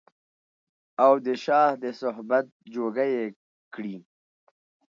او د شاه د صحبت جوګه يې کړي